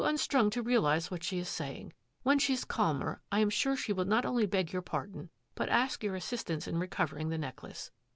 unstrung to realise what she is sayi she is calmer, I am sure she will not on pardon, but ask your assistance in rec necklace.